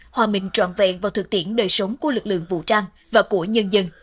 hòa bình trọn vẹn vào thực tiễn đời sống của lực lượng vũ trang và của nhân dân